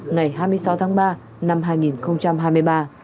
ngày hai mươi sáu tháng ba năm hai nghìn hai mươi ba